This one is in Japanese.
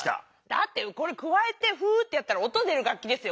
だってくわえてフーってやったら音出る楽きですよ。